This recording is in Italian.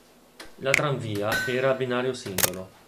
La tranvia era a binario singolo.